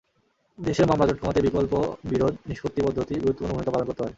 দেশের মামলাজট কমাতে বিকল্প বিরোধ নিষ্পত্তি পদ্ধতি গুরুত্বপূর্ণ ভূমিকা পালন করতে পারে।